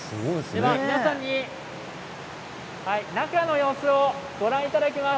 皆さんに中の様子をご覧いただきます。